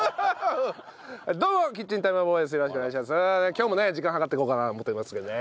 今日もね時間計っていこうかなって思ってますけどね。